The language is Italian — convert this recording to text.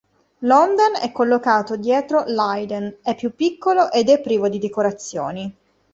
L′"honden" è collocato dietro l′"haiden", è più piccolo ed è privo di decorazioni.